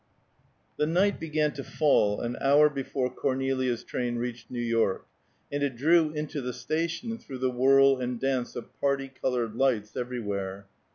X. The night began to fall an hour before Cornelia's train reached New York, and it drew into the station, through the whirl and dance of parti colored lights everywhere.